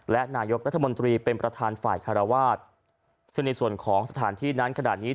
และนายกรัฐมนตรีเป็นประธานฝ่ายคารวาสซึ่งในส่วนของสถานที่นั้นขนาดนี้